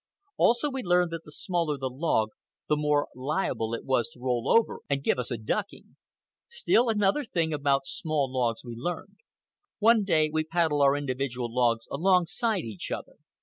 Also, we learned that the smaller the log the more liable it was to roll over and give us a ducking. Still another thing about small logs we learned. One day we paddled our individual logs alongside each other.